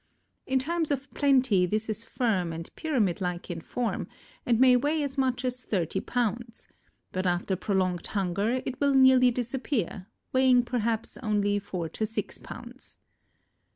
In times of plenty this is firm and pyramid like in form, and may weigh as much as thirty pounds, but after prolonged hunger it will nearly disappear; weighing perhaps only four to six pounds.